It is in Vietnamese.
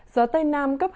gió tây nam cấp hai cấp ba